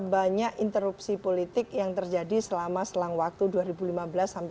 banyak interupsi politik yang terjadi selama selang waktu dua ribu lima belas sampai dua ribu sembilan